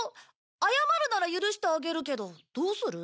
謝るなら許してあげるけどどうする？